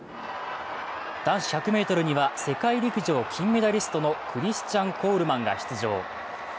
男子１００ｍには世界陸上金メダリストのクリスチャン・コールマンが出場。